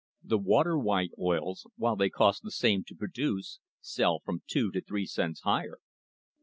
The water white oils, while they cost the same to produce, sell from two to three cents higher.